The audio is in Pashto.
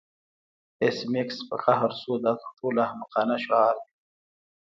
ایس میکس په قهر شو دا تر ټولو احمقانه شعار دی